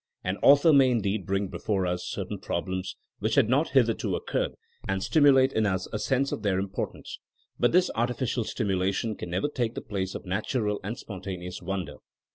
An author may indeed bring before us certain problems which had not hith erto occurred, and stimulate in us a sense of their importance. But this artificial stimula tion can never take the place of natural and spontaneous wonder.